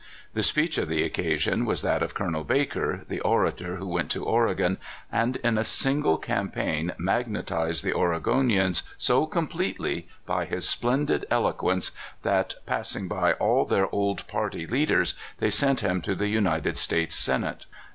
The speech of the occasion was that of Colonel Baker, the orator who went to Oregon, and in a single cam paign magnetized the Oregonians so completely by his splendid eloquence that, passing by all their old party leaders, they sent him to the United States Senate.